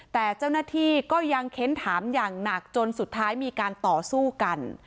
แต่เจ้าหน้าที่ก็ยังเค้นถามอย่างหนักจนสุดท้ายมีการต่อสู้กัน